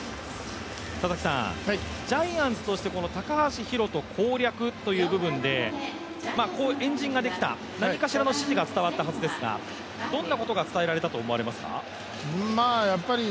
ジャイアンツとして高橋宏斗攻略という部分で、円陣ができた、何かしらの指示が伝わったはずですがどんなことが伝えられたと思いますか？